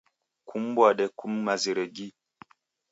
Kum'mbwade kum'mazire gi.